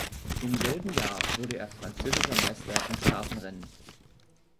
Im selben Jahr wurde er französischer Meister im Straßenrennen.